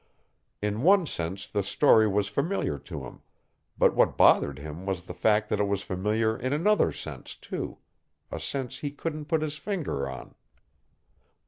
In one sense the story was familiar to him, but what bothered him was the fact that it was familiar in another sense too a sense he couldn't put his finger on.